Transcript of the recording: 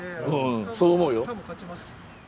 そう思うよ。